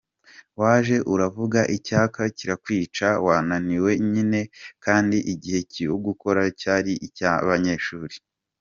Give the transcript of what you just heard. waje uravuga icyaka kirakwica, wananiwe nyine kandi igihe cyo gukora cyari icy’abanyeshuri.